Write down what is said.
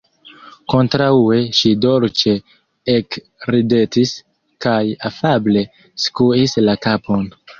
Kontraŭe, ŝi dolĉe ekridetis kaj afable skuis la kapon.